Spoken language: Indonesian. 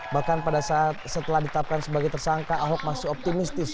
bahkan pada saat setelah ditetapkan sebagai tersangka ahok masih optimistis